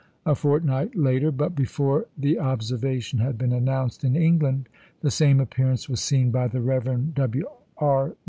A fortnight later, but before the observation had been announced in England, the same appearance was seen by the Rev. W. R.